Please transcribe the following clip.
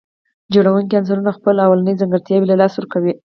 جوړونکي عنصرونه خپل لومړني ځانګړتياوي له لاسه ورکوي.